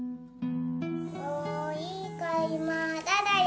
もういいかい、まーだだよ。